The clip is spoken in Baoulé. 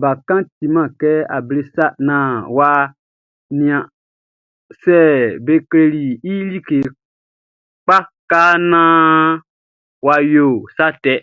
Bakanʼn timan kɛ able sa naan wʼa nian sɛ be kleli i like kpa ka naan wʼa yo sa tɛ.